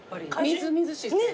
みずみずしいっすね。